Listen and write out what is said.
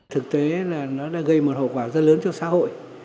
thực tế là nó đã gây một hậu quả rất lớn cho xã hội